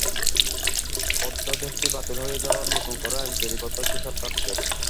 অধ্যাদেশটি বাতিল হয়ে যাওয়ায় নতুন করে আইন তৈরি করতে হচ্ছে সরকারকে।